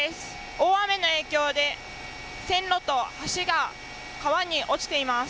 大雨の影響で線路と橋が川に落ちています。